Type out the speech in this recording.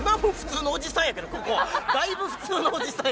ここだいぶ普通のおじさん